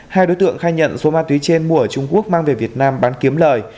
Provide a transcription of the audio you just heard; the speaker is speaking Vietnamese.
hai đối tượng khai nhận số ma túy trên mua ở trung quốc mang về việt nam bán kiếm lời